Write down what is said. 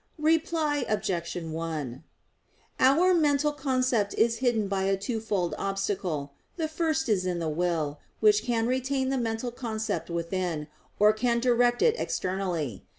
Reply Obj. 1: Our mental concept is hidden by a twofold obstacle. The first is in the will, which can retain the mental concept within, or can direct it externally.